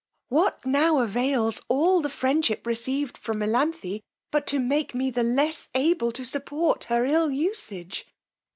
What now avails all the friendship received from Melanthe, but to make me the less able to support her ill usage!